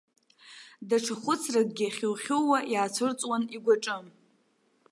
Даҽа хәыцракгьы хьухьууа иаацәырҵуан игәаҿы.